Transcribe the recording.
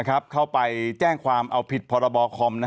อ้าวช่องส่องผีหน่อย